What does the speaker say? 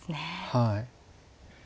はい。